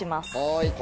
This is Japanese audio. はい。